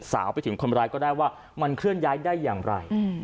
สาวไปถึงคนร้ายก็ได้ว่ามันเคลื่อนย้ายได้อย่างไร